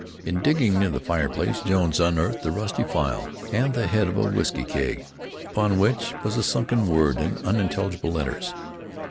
In digging near the fireplace Jones unearthed a rusty file and the head of a whisky keg, upon which was a sunken word in unintelligible letters.